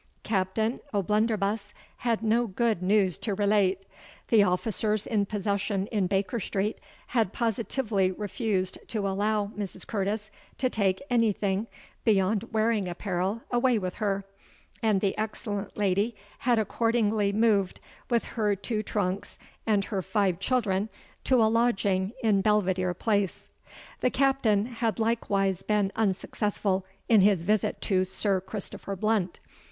Captain O'Blunderbuss had no good news to relate. The officers in possession in Baker Street had positively refused to allow Mrs. Curtis to take any thing, beyond wearing apparel, away with her; and the excellent lady had accordingly moved, with her two trunks and her five children, to a lodging in Belvidere Place. The captain had likewise been unsuccessful in his visit to Sir Christopher Blunt.